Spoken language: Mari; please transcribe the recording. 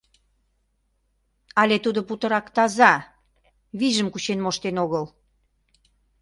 Але тудо путырак таза, вийжым кучен моштен огыл?